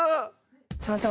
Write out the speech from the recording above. すいません。